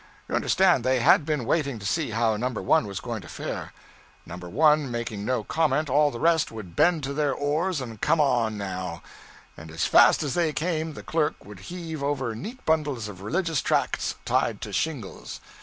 You understand, they had been waiting to see how No. 1 was going to fare. No. 1 making no comment, all the rest would bend to their oars and come on, now; and as fast as they came the clerk would heave over neat bundles of religious tracts, tied to shingles.